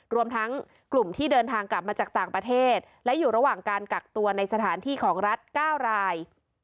รวมทั้งกลุ่มที่เดินทางกลับมาจากต่างประเทศและอยู่ระหว่างการกักตัวในสถานที่ของรัฐ๙ราย